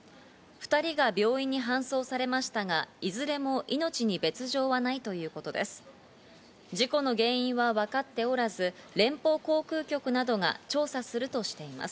２人が病院に搬送されましたがいずれも命に別条はないということです。